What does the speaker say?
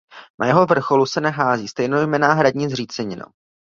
Na jeho vrcholu se nachází stejnojmenná hradní zřícenina.